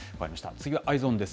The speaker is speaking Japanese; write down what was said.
次はＥｙｅｓｏｎです。